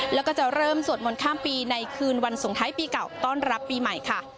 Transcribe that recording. แล้วก็จะเริ่มสวดมนต์ข้ามปีในคืนวันสงท้ายปีเก่าต้อนรับปีใหม่ค่ะ